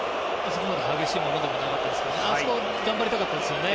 そこまで激しいものでもなかったですね。